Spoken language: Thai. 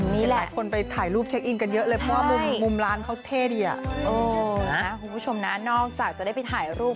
นี่แหละใช่มุมร้านเขาเท่ดีอ่ะคุณผู้ชมนะนอกจากจะได้ไปถ่ายรูป